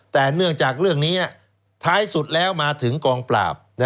แต่เนื่องจากเรื่องนี้ท้ายสุดแล้วมาถึงกองปราบ